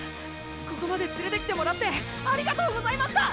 ここまで連れてきてもらってありがとうございました！